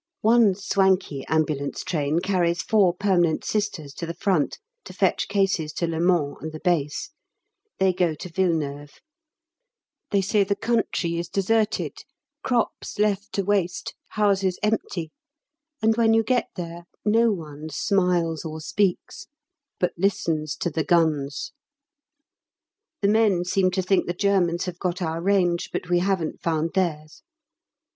One swanky Ambulance Train carries four permanent Sisters to the front to fetch cases to Le Mans and the Base. They go to Villeneuve. They say the country is deserted, crops left to waste, houses empty, and when you get there no one smiles or speaks, but listens to the guns. The men seem to think the Germans have got our range, but we haven't found theirs.